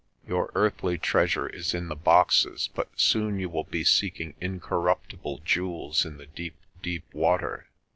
"Your earthly treasure is in the boxes but soon you will be seeking incorruptible jewels in the deep, deep water.